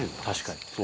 確かに。